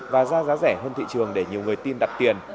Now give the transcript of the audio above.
và ra giá rẻ hơn thị trường để nhiều người tin đặt tiền